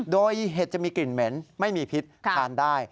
โดยเห็ดจะมีกลิ่นเหม็นไม่มีพิษทานได้